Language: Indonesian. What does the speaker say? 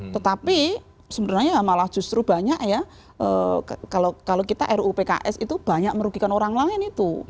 tetapi sebenarnya malah justru banyak ya kalau kita ruu pks itu banyak merugikan orang lain itu